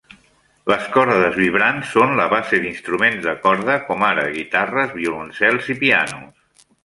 Les cordes vibrants són la base d'instruments de corda com ara guitarres, violoncels i pianos.